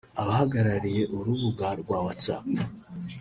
abahagarariye urubuga rwa Whatsapp